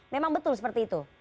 memang betul seperti itu